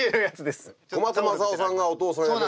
小松政夫さんがお父さん役ね。